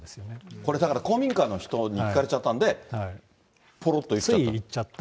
これだから、公民館の人に聞かれちゃったんで、ぽろっと言っちゃった？